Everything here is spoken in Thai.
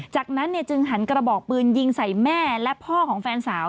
จากนั้นจึงหันกระบอกปืนยิงใส่แม่และพ่อของแฟนสาว